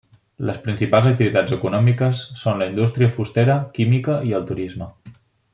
Les principals activitats econòmiques són la indústria fustera, química i el turisme.